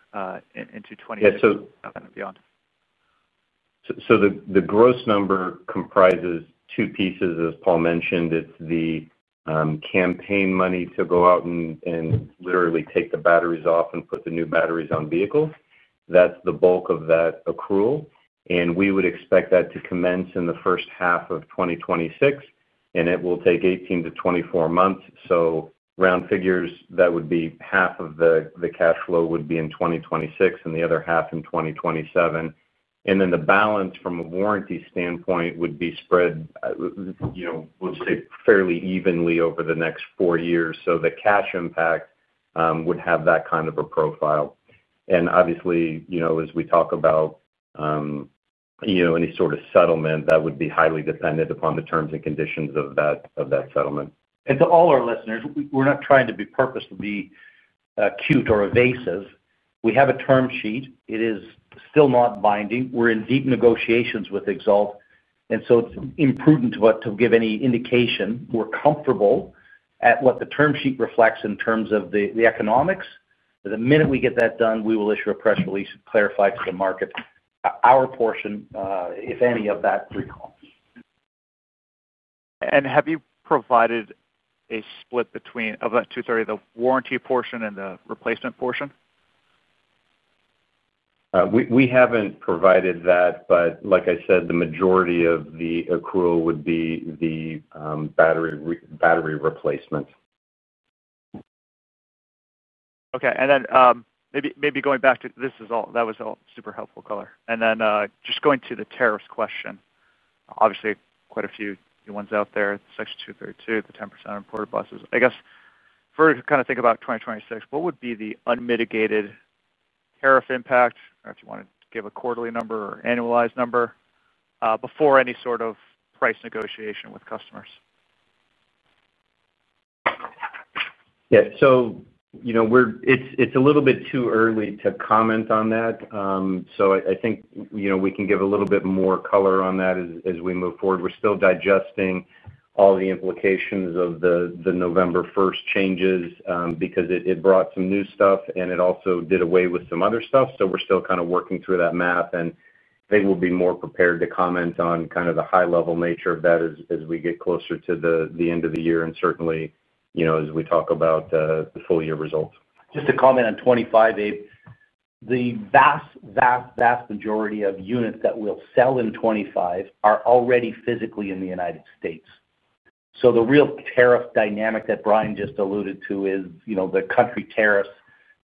into '26 and beyond? The gross number comprises two pieces, as Paul mentioned. It is the campaign money to go out and literally take the batteries off and put the new batteries on vehicles. That is the bulk of that accrual. We would expect that to commence in the first half of 2026, and it will take 18-24 months. In round figures, that would be half of the cash flow in 2026 and the other half in 2027. The balance from a warranty standpoint would be spread, we will just say, fairly evenly over the next four years. The cash impact would have that kind of a profile. Obviously, as we talk about any sort of settlement, that would be highly dependent upon the terms and conditions of that settlement. To all our listeners, we are not trying to be purposefully cute or evasive. We have a term sheet. It is still not binding. We're in deep negotiations with XALT. It is imprudent to give any indication. We're comfortable at what the term sheet reflects in terms of the economics. The minute we get that done, we will issue a press release and clarify to the market our portion, if any, of that recall. Have you provided a split between, of that $230 million, the warranty portion and the replacement portion? We haven't provided that, but like I said, the majority of the accrual would be the battery replacement. Okay. And then maybe going back to—that was all super helpful, Keller. Then just going to the tariffs question, obviously, quite a few new ones out there, Section 232, the 10% on imported buses. I guess, if we're to kind of think about 2026, what would be the unmitigated tariff impact? Or if you want to give a quarterly number or annualized number before any sort of price negotiation with customers? Yeah. It's a little bit too early to comment on that. I think we can give a little bit more color on that as we move forward. We're still digesting all the implications of the November 1 changes because it brought some new stuff, and it also did away with some other stuff. We're still kind of working through that math, and they will be more prepared to comment on the high-level nature of that as we get closer to the end of the year and certainly as we talk about the full year results. Just to comment on 2025, the vast, vast, vast majority of units that we'll sell in 2025 are already physically in the United States. The real tariff dynamic that Brian just alluded to is the country tariffs,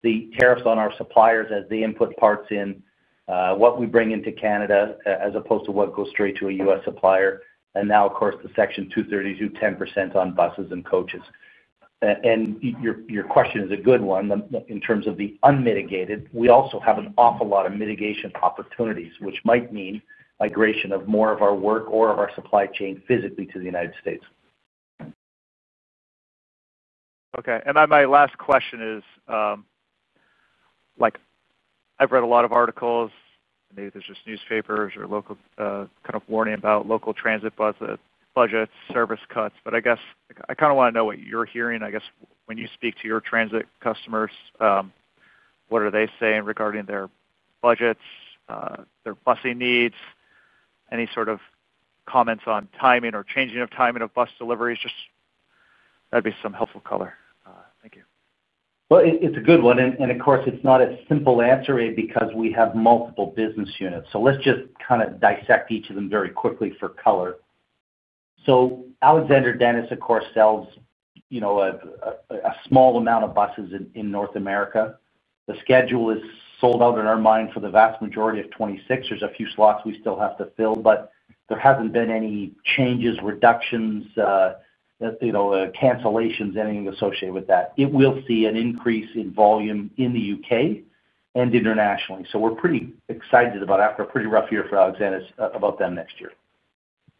the tariffs on our suppliers as they input parts in what we bring into Canada as opposed to what goes straight to a U.S. supplier. Now, of course, the Section 232, 10% on buses and coaches. Your question is a good one in terms of the unmitigated. We also have an awful lot of mitigation opportunities, which might mean migration of more of our work or of our supply chain physically to the United States. Okay. My last question is, I've read a lot of articles, maybe they're just newspapers or local kind of warning about local transit budgets, service cuts. I guess I kind of want to know what you're hearing. When you speak to your transit customers, what are they saying regarding their budgets, their busing needs, any sort of comments on timing or changing of timing of bus deliveries? That would be some helpful color. Thank you. It is a good one. Of course, it is not a simple answer because we have multiple business units. Let us just kind of dissect each of them very quickly for color. Alexander Dennis, of course, sells a small amount of buses in North America. The schedule is sold out in our mind for the vast majority of 2026. There are a few slots we still have to fill, but there have not been any changes, reductions, cancellations, anything associated with that. We will see an increase in volume in the U.K. and internationally. We are pretty excited about, after a pretty rough year for Alexander Dennis, about them next year.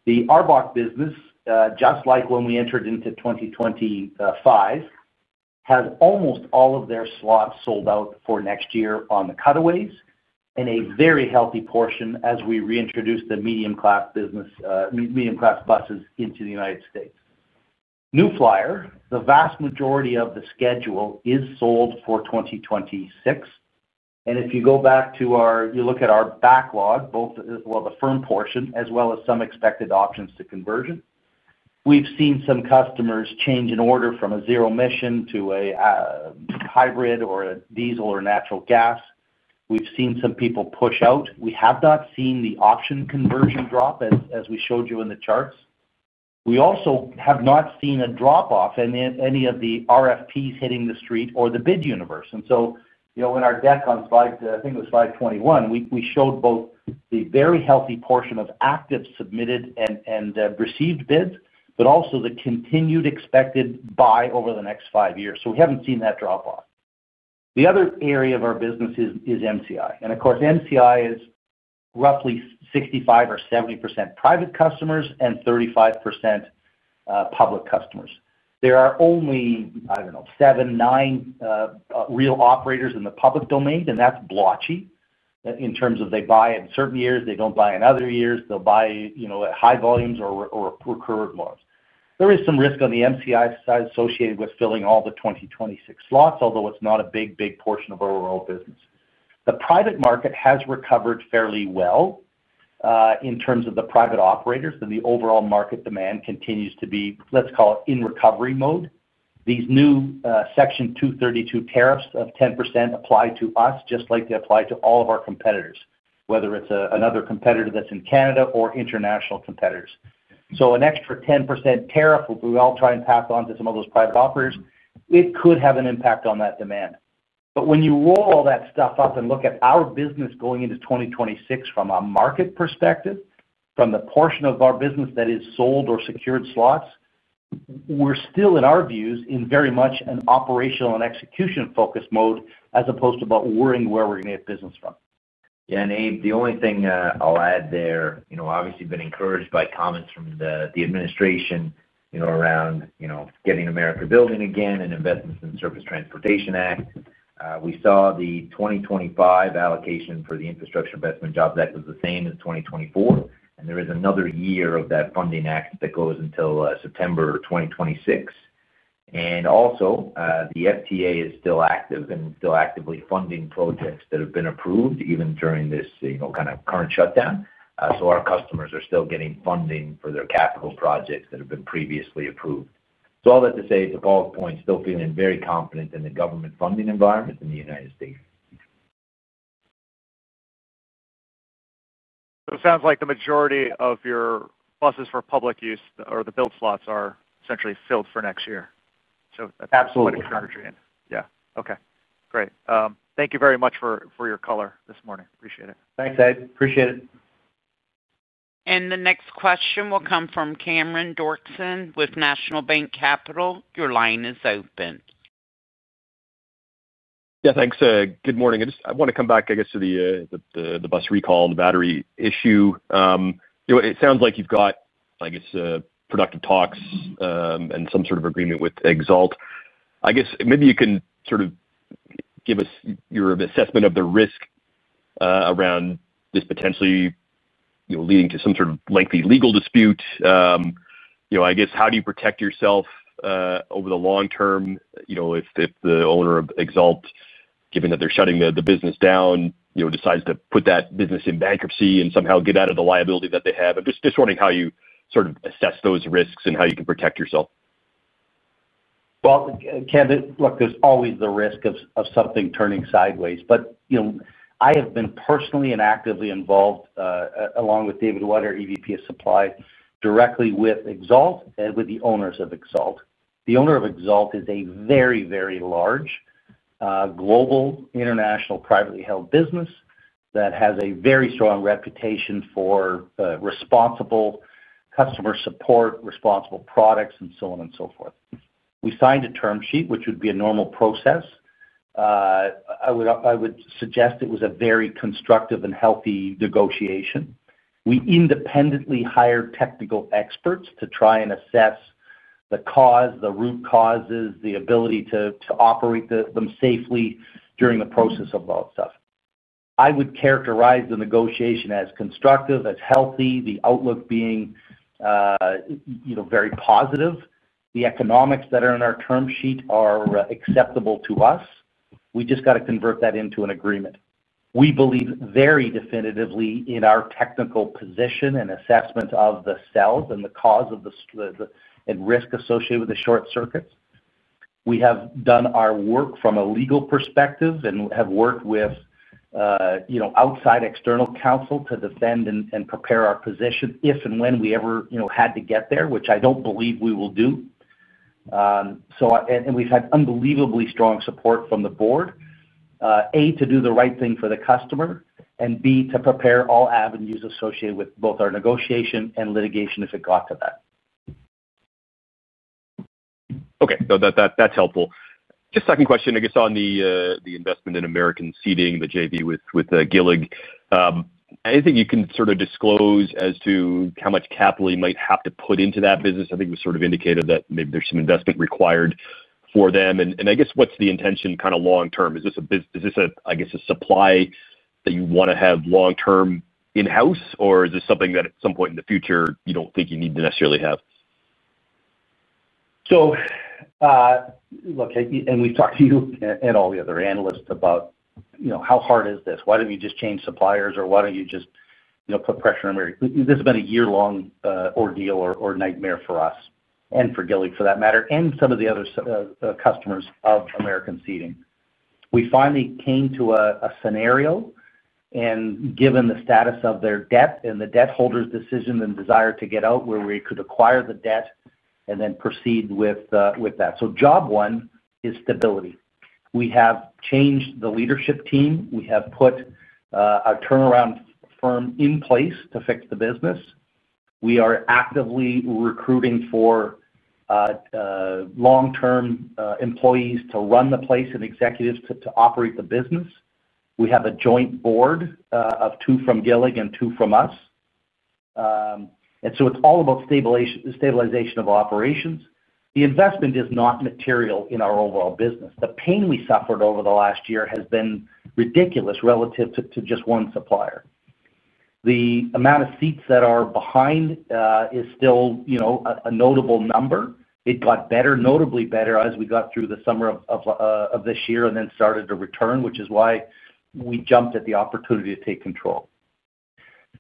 The ARBOC business, just like when we entered into 2025, has almost all of their slots sold out for next year on the cutaways and a very healthy portion as we reintroduce the medium-class buses into the United States. New Flyer, the vast majority of the schedule is sold for 2026. If you go back to our—you look at our backlog, both as well the firm portion as well as some expected options to conversion, we've seen some customers change in order from a zero-emission to a hybrid or a diesel or natural gas. We've seen some people push out. We have not seen the option conversion drop as we showed you in the charts. We also have not seen a drop-off in any of the RFPs hitting the street or the bid universe. In our deck on slide, I think it was slide 21, we showed both the very healthy portion of active submitted and received bids, but also the continued expected buy over the next five years. We haven't seen that drop-off. The other area of our business is MCI. MCI is roughly 65% or 70% private customers and 35% public customers. There are only, I don't know, seven, nine real operators in the public domain, and that's blotchy in terms of they buy in certain years, they don't buy in other years, they'll buy at high volumes or recurred loans. There is some risk on the MCI side associated with filling all the 2026 slots, although it's not a big, big portion of our overall business. The private market has recovered fairly well in terms of the private operators, and the overall market demand continues to be, let's call it, in recovery mode. These new Section 232 tariffs of 10% apply to us just like they apply to all of our competitors, whether it's another competitor that's in Canada or international competitors. An extra 10% tariff, we'll all try and pass on to some of those private operators. It could have an impact on that demand. When you roll all that stuff up and look at our business going into 2026 from a market perspective, from the portion of our business that is sold or secured slots, we're still, in our views, in very much an operational and execution-focused mode as opposed to worrying where we're going to get business from. Yeah. Abe, the only thing I'll add there, obviously, been encouraged by comments from the administration around getting America building again and investments in the Surface Transportation Act. We saw the 2025 allocation for the Infrastructure Investment Jobs Act was the same as 2024. There is another year of that funding act that goes until September 2026. The FTA is still active and still actively funding projects that have been approved even during this kind of current shutdown. Our customers are still getting funding for their capital projects that have been previously approved. All that to say, to Paul's point, still feeling very confident in the government funding environment in the United States. It sounds like the majority of your buses for public use or the build slots are essentially filled for next year. Absolutely. That's part of the strategy. Yeah. Okay. Great. Thank you very much for your color this morning. Appreciate it. Thanks, Abe. Appreciate it. The next question will come from Cameron Doerksen with National Bank Capital. Your line is open. Yeah. Thanks. Good morning. I want to come back, I guess, to the bus recall and the battery issue. It sounds like you've got, I guess, productive talks and some sort of agreement with XALT. I guess maybe you can sort of give us your assessment of the risk around this potentially leading to some sort of lengthy legal dispute. I guess, how do you protect yourself over the long term if the owner of XALT, given that they're shutting the business down, decides to put that business in bankruptcy and somehow get out of the liability that they have? I'm just wondering how you sort of assess those risks and how you can protect yourself? Cam, look, there's always the risk of something turning sideways. I have been personally and actively involved, along with David Weiner, EVP of Supply, directly with XALT and with the owners of XALT. The owner of XALT is a very, very large global international privately held business that has a very strong reputation for responsible customer support, responsible products, and so on and so forth. We signed a term sheet, which would be a normal process. I would suggest it was a very constructive and healthy negotiation. We independently hired technical experts to try and assess the cause, the root causes, the ability to operate them safely during the process of all that stuff. I would characterize the negotiation as constructive, as healthy, the outlook being very positive. The economics that are in our term sheet are acceptable to us. We just got to convert that into an agreement. We believe very definitively in our technical position and assessment of the cells and the cause of the risk associated with the short circuits. We have done our work from a legal perspective and have worked with outside external counsel to defend and prepare our position if and when we ever had to get there, which I do not believe we will do. We have had unbelievably strong support from the board, A, to do the right thing for the customer, and B, to prepare all avenues associated with both our negotiation and litigation if it got to that. Okay. That's helpful. Just second question, I guess, on the investment in American Seating, the JV with GILLIG. Anything you can sort of disclose as to how much capital you might have to put into that business? I think it was sort of indicated that maybe there's some investment required for them. I guess, what's the intention kind of long term? Is this a, I guess, a supply that you want to have long term in-house, or is this something that at some point in the future you don't think you need to necessarily have? Look, and we've talked to you and all the other analysts about how hard is this? Why don't you just change suppliers, or why don't you just put pressure on American Seating? This has been a year-long ordeal or nightmare for us and for GILLIG, for that matter, and some of the other customers of American Seating. We finally came to a scenario, and given the status of their debt and the debt holders' decision and desire to get out, where we could acquire the debt and then proceed with that. Job one is stability. We have changed the leadership team. We have put a turnaround firm in place to fix the business. We are actively recruiting for long-term employees to run the place and executives to operate the business. We have a joint board of two from GILLIG and two from us. It is all about stabilization of operations. The investment is not material in our overall business. The pain we suffered over the last year has been ridiculous relative to just one supplier. The amount of seats that are behind is still a notable number. It got better, notably better as we got through the summer of this year and then started to return, which is why we jumped at the opportunity to take control.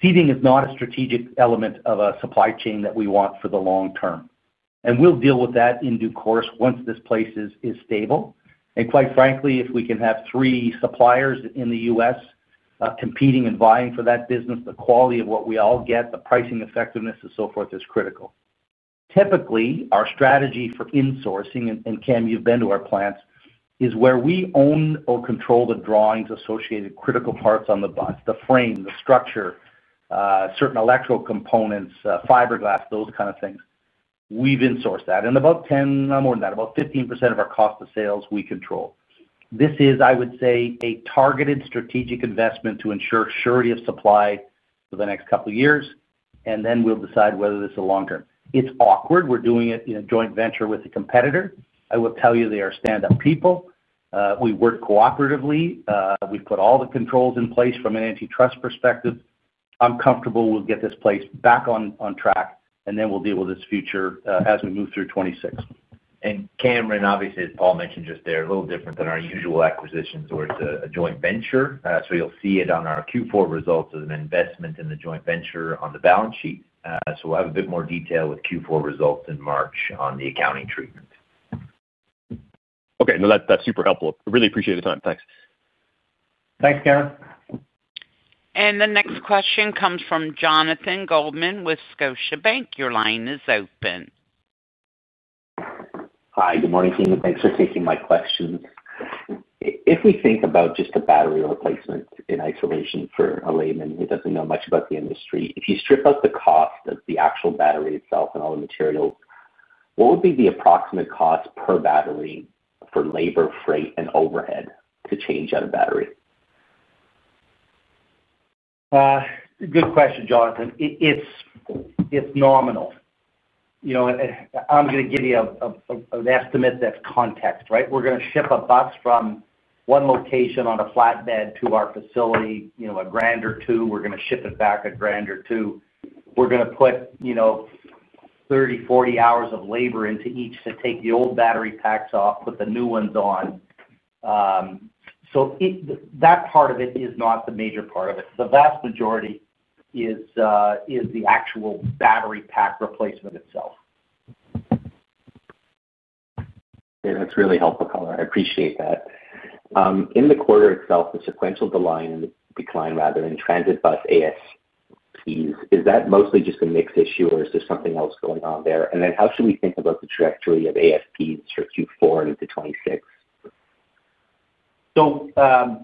Seating is not a strategic element of a supply chain that we want for the long term. We will deal with that in due course once this place is stable. Quite frankly, if we can have three suppliers in the US competing and vying for that business, the quality of what we all get, the pricing effectiveness, and so forth is critical. Typically, our strategy for insourcing, and Cam, you've been to our plants, is where we own or control the drawings associated with critical parts on the bus, the frame, the structure, certain electrical components, fiberglass, those kind of things. We've insourced that. And about 10, more than that, about 15% of our cost of sales we control. This is, I would say, a targeted strategic investment to ensure surety of supply for the next couple of years, and then we'll decide whether this is a long term. It's awkward. We're doing it in a joint venture with a competitor. I will tell you they are stand-up people. We work cooperatively. We've put all the controls in place from an antitrust perspective. I'm comfortable we'll get this place back on track, and then we'll deal with this future as we move through 2026. Cameron, obviously, as Paul mentioned just there, a little different than our usual acquisitions where it's a joint venture. You'll see it on our Q4 results as an investment in the joint venture on the balance sheet. We'll have a bit more detail with Q4 results in March on the accounting treatment. Okay. No, that's super helpful. Really appreciate the time. Thanks. Thanks, Cameron. The next question comes from Jonathan Goldman with Scotiabank. Your line is open. Hi. Good morning, Cam. Thanks for taking my questions. If we think about just a battery replacement in isolation for a layman who does not know much about the industry, if you strip out the cost of the actual battery itself and all the materials, what would be the approximate cost per battery for labor, freight, and overhead to change out a battery? Good question, Jonathan. It's nominal. I'm going to give you an estimate that's context, right? We're going to ship a bus from one location on a flatbed to our facility, a grand or two. We're going to ship it back a grand or two. We're going to put 30-40 hours of labor into each to take the old battery packs off, put the new ones on. That part of it is not the major part of it. The vast majority is the actual battery pack replacement itself. Okay. That's really helpful, Color. I appreciate that. In the quarter itself, the sequential decline rather than transit bus ASPs, is that mostly just a mix issue, or is there something else going on there? How should we think about the trajectory of ASPs for Q4 into '26?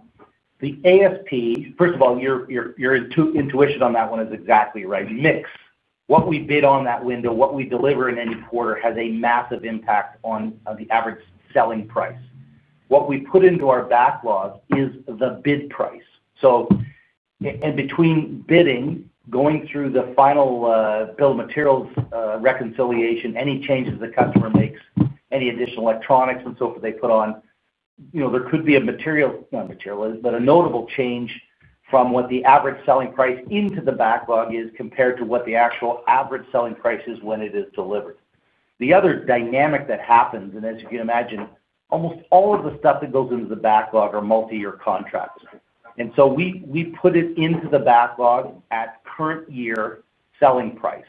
The ASP, first of all, your intuition on that one is exactly right. Mix. What we bid on that window, what we deliver in any quarter has a massive impact on the average selling price. What we put into our backlog is the bid price. In between bidding, going through the final bill of materials reconciliation, any changes the customer makes, any additional electronics and so forth they put on, there could be a material, not material, but a notable change from what the average selling price into the backlog is compared to what the actual average selling price is when it is delivered. The other dynamic that happens, and as you can imagine, almost all of the stuff that goes into the backlog are multi-year contracts. We put it into the backlog at current year selling price.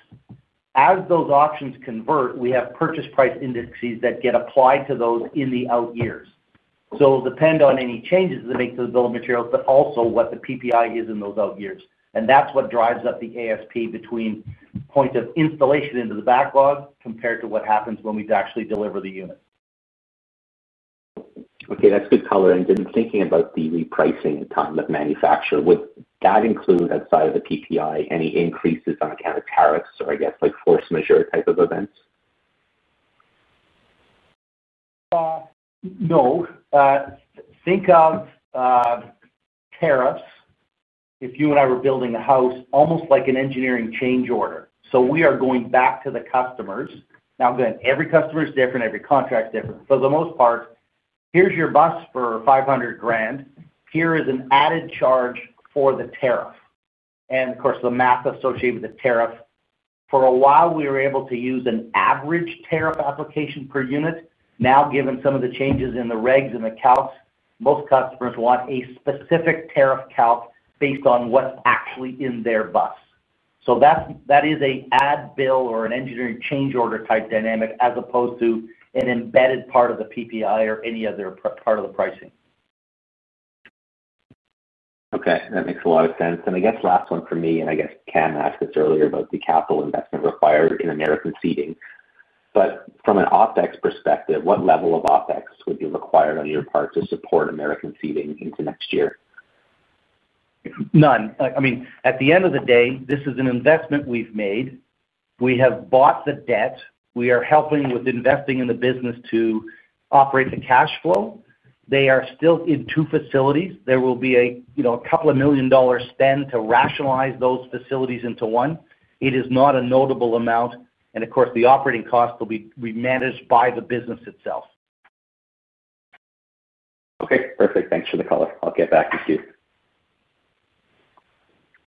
As those options convert, we have purchase price indices that get applied to those in the out years. It will depend on any changes that make to the bill of materials, but also what the PPI is in those out years. That is what drives up the ASP between point of installation into the backlog compared to what happens when we actually deliver the unit. Okay. That's good, Color. Thinking about the repricing and time of manufacture, would that include outside of the PPI any increases on account of tariffs or, I guess, force majeure type of events? No. Think of tariffs if you and I were building a house almost like an engineering change order. We are going back to the customers. Now, again, every customer is different. Every contract is different. For the most part, here is your bus for $500,000. Here is an added charge for the tariff. Of course, the math associated with the tariff. For a while, we were able to use an average tariff application per unit. Now, given some of the changes in the regs and the calcs, most customers want a specific tariff calc based on what is actually in their bus. That is an add bill or an engineering change order type dynamic as opposed to an embedded part of the PPI or any other part of the pricing. Okay. That makes a lot of sense. I guess last one for me, and I guess Cam asked this earlier about the capital investment required in American Seating. From an OpEx perspective, what level of OpEx would be required on your part to support American Seating into next year? None. I mean, at the end of the day, this is an investment we've made. We have bought the debt. We are helping with investing in the business to operate the cash flow. They are still in two facilities. There will be a couple of million dollars spent to rationalize those facilities into one. It is not a notable amount. Of course, the operating costs will be managed by the business itself. Okay. Perfect. Thanks for the call. I'll get back to you.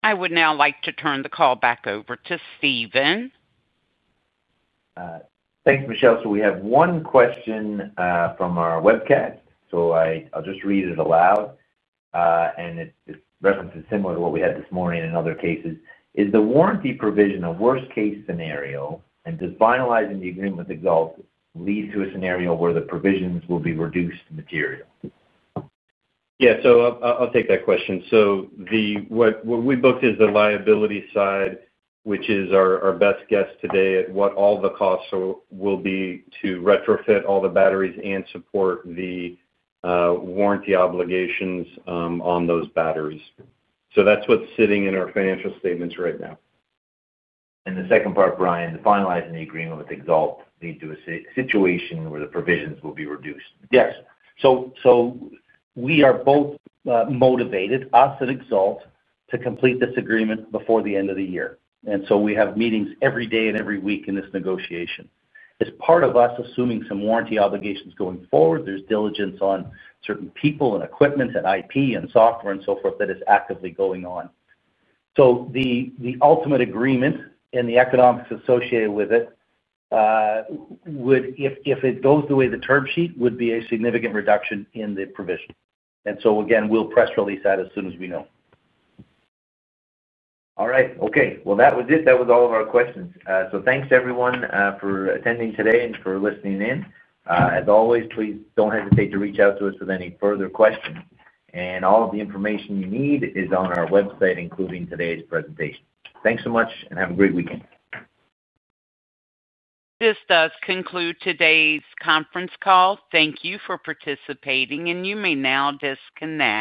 I would now like to turn the call back over to Stephen. Thanks, Michelle. We have one question from our webcast. I'll just read it aloud. It references similar to what we had this morning in other cases. Is the warranty provision a worst-case scenario? Does finalizing the agreement with XALT lead to a scenario where the provisions will be reduced in material? Yeah. I'll take that question. What we booked is the liability side, which is our best guess today at what all the costs will be to retrofit all the batteries and support the warranty obligations on those batteries. That's what's sitting in our financial statements right now. The second part, Brian, the finalizing the agreement with XALT lead to a situation where the provisions will be reduced? Yes. We are both motivated, us and Exalt, to complete this agreement before the end of the year. We have meetings every day and every week in this negotiation. As part of us assuming some warranty obligations going forward, there is diligence on certain people and equipment and IP and software and so forth that is actively going on. The ultimate agreement and the economics associated with it, if it goes the way the term sheet would, would be a significant reduction in the provision. We will press release that as soon as we know. All right. That was it. That was all of our questions. Thanks, everyone, for attending today and for listening in. As always, please do not hesitate to reach out to us with any further questions. All of the information you need is on our website, including today's presentation. Thanks so much, and have a great weekend. This does conclude today's conference call. Thank you for participating, and you may now disconnect.